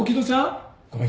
ごめん。